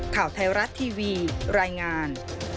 ข่าวไทยรัฐทีวีรายงาน